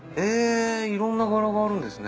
いろんな柄があるんですね。